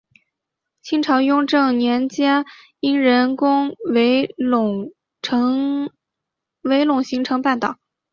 清朝雍正年间因人工围垦形成半岛。